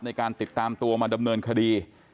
ในการติดตามตัวมาดำเนินคดี